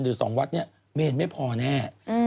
หรือสองวัดเนี่ยเมนไม่พอแน่